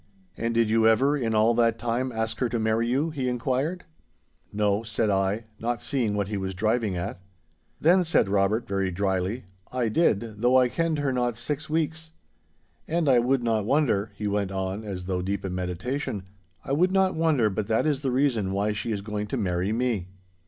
'And did you ever, in all that time, ask her to marry you?' he inquired. 'No,' said I, not seeing what he was driving at. 'Then,' said Robert, very drily, 'I did, though I kenned her not six weeks. And I would not wonder,' he went on, as though deep in meditation, 'I would not wonder but that is the reason why she is going to marry me.